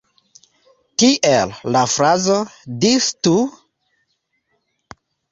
Tiel, la frazo "Dis-tu?